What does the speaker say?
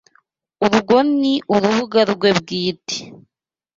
Urwo ni urubuga rwe bwite.